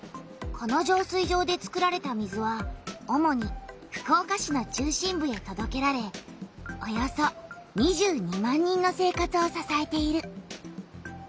この浄水場で作られた水はおもに福岡市の中心部へとどけられおよそ２２万人の生活をささえている。